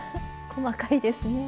細かいですね。